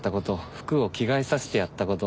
服を着替えさせてやったこと。